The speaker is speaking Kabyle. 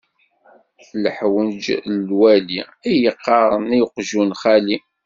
Lḥewj n lwali i yeqqaṛen i uqjun xali.